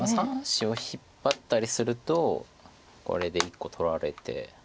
３子を引っ張ったりするとこれで１個取られて。